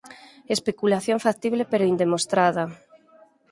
Especulación factible pero indemostrada.